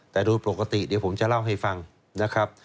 แต่โดยปกติเดี๋ยวผมจะเล่าให้ฟังนะครับ